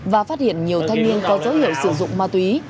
và phát hiện nhiều thanh niên có dấu hiệu sử dụng ma túy